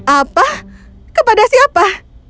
apa kepada siapa